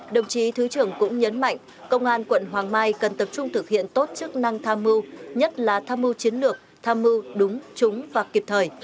đồng chí thứ trưởng cũng nhấn mạnh công an quận hoàng mai cần tập trung thực hiện tốt chức năng tham mưu nhất là tham mưu chiến lược tham mưu đúng trúng và kịp thời